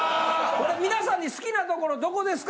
これ皆さんに好きなところどこですか？